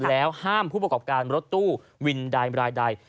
แล้วห้ามผู้ประกอบการรถตู้วินใดรายใด